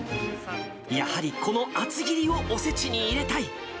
やはり、この厚切りをおせちに入れたい。